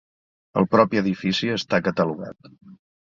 El propi edifici està catalogat.